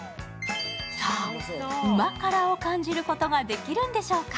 さあ、うま辛を感じることができるんでしょうか。